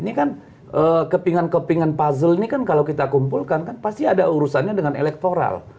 ini kan kepingan kepingan puzzle ini kan kalau kita kumpulkan kan pasti ada urusannya dengan elektoral